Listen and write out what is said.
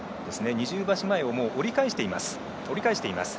二重橋前を折り返しています。